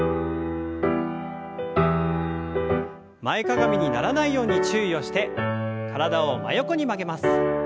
前かがみにならないように注意をして体を真横に曲げます。